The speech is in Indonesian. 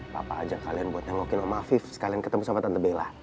papa aja kalian buat nengokin sama afif sekalian ketemu sama tante bella